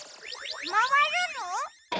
まわるの？